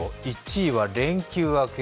１位は連休明け。